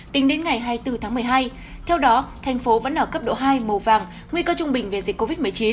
tính đến ngày hai mươi bốn tháng một mươi hai theo đó thành phố vẫn ở cấp độ hai màu vàng nguy cơ trung bình về dịch covid một mươi chín